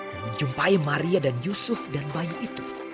menjumpai maria dan yesus dan bayi itu